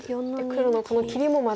黒のこの切りもまた。